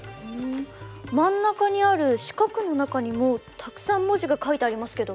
真ん中にある四角の中にもたくさん文字が書いてありますけど。